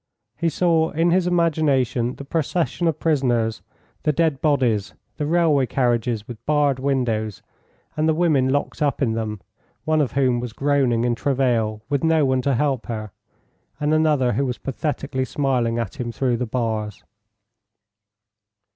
He saw in his imagination the procession of prisoners, the dead bodies, the railway carriages with barred windows, and the women locked up in them, one of whom was groaning in travail with no one to help her, and another who was pathetically smiling at him through the bars.